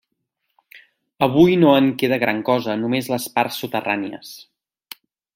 Avui no en queda gran cosa, només les parts soterrànies.